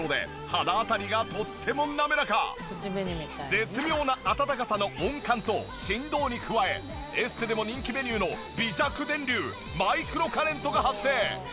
絶妙な温かさの温感と振動に加えエステでも人気メニューの微弱電流マイクロカレントが発生。